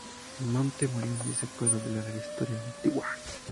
Montemolín es un pueblo de larga historia antigua.